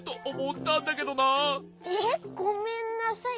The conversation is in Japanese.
えっごめんなさい。